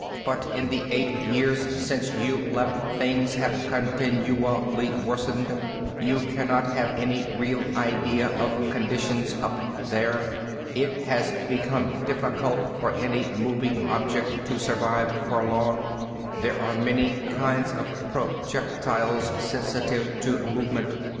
But in the eight years since you left, things have continually worsened. You cannot have any real idea of conditions up there. It has become difficult for any moving object to survive for long. There are many kinds of projectiles sensitive to movement.